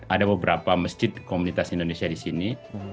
ada beberapa masjid komunitas indonesia di sini